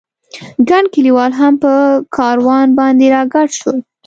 ګڼ کلیوال هم په کاروان باندې را ګډ شول.